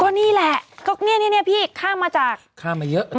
ก็นี่แหละค่ะเมียนมาค่ะ